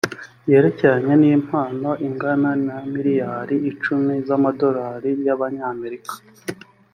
yerekeranye n impano ingana na miliyoni icumi z amadolari y abanyamerika